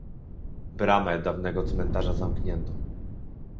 "Bramę dawnego cmentarza zamknięto."